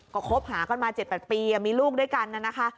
ก็คบหากันมา๗๘ปีมีลูกด้วยกันนะคะ